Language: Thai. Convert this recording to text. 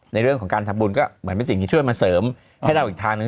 ในเรื่องของการทำบุญก็เหมือนเป็นสิ่งที่ช่วยมาเสริมให้เราอีกทางหนึ่ง